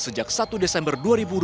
sejak satu desember dua ribu dua puluh